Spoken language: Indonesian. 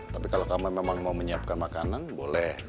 tapi kalau kamu memang mau menyiapkan makanan boleh